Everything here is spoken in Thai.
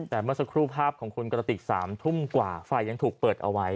แต่เมื่อสักครู่ภาพของคุณกระติก๓ทุ่มกว่าไฟยังถูกเปิดเอาไว้